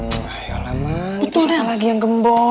cepat ayolah mang itu sekali lagi yang gembok